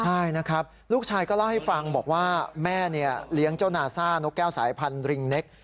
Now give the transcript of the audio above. ใช่นะครับลูกชายก็เล่าให้ฟังบอกว่าแม่เลี้ยงเจ้านาซ่านกแก้วสายพันธริงเน็ก